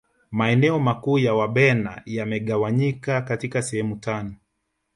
maeneo makuu ya wabena yamegawanyika katika sehemu tano